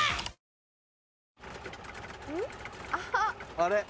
あれ？